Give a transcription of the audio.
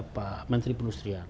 pak menteri penelusuran